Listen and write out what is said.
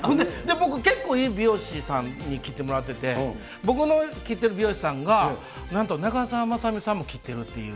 僕、結構いい美容師さんに切ってもらってて、僕の切ってる美容師さんが、なんと長澤まさみさんも切ってるという。